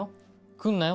来んなよ